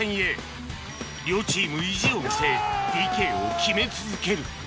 両チーム意地を見せ ＰＫ を決め続ける